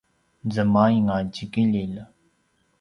zemaing a tjikililj